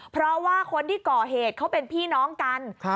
เพราะว่าคนที่ก่อเหตุเขาเป็นพี่น้องกัน